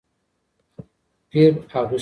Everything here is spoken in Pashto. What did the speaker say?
پیر اغوستې